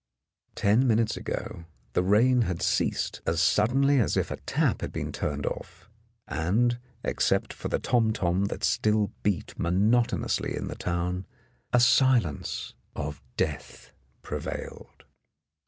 Ten minutes ago the rain had ceased as suddenly as if a tap had been turned off, and, except for the tom tom that still beat monotonously in the town, a silence of death prevailed.